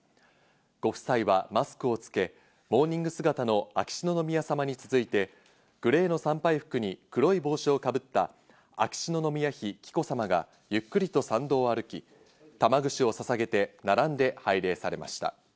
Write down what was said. ご夫妻はマスクをつけ、モーニング姿の秋篠宮さまに続いてグレーの参拝服に黒い帽子をかぶった秋篠宮妃紀子さまがゆっくりと参道を歩き、玉串をささげて並んで拝礼されました。